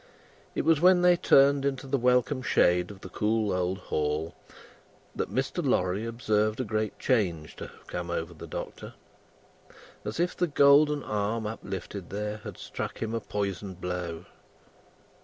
It was when they turned into the welcome shade of the cool old hall, that Mr. Lorry observed a great change to have come over the Doctor; as if the golden arm uplifted there, had struck him a poisoned blow.